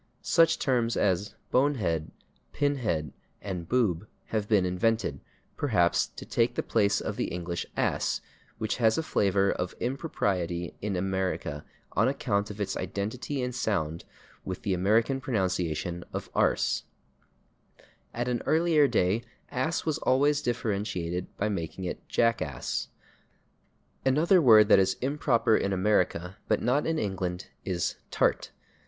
Such terms as /bonehead/, /pinhead/ and /boob/ have been invented, perhaps, to take the place of the English /ass/, which has a flavor of impropriety in America on account of its identity in sound with the American pronunciation of /arse/. At an earlier day /ass/ was always differentiated by making it /jackass/. Another word that is improper in America but not in England is /tart